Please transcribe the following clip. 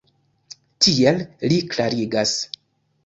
Tiel li klarigas.